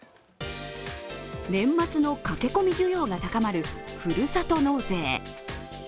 年末の駆け込み需要が高まるふるさと納税。